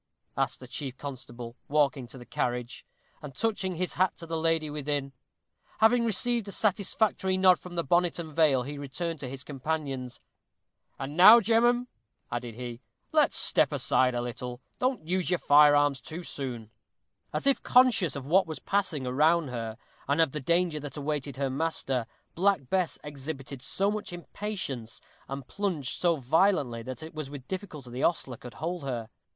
asked the chief constable, walking to the carriage, and touching his hat to the lady within. Having received a satisfactory nod from the bonnet and veil, he returned to his companions. "And now, gemmen," added he, "let's step aside a little. Don't use your fire arms too soon." As if conscious of what was passing around her, and of the danger that awaited her master, Black Bess exhibited so much impatience, and plunged so violently, that it was with difficulty the ostler could hold her.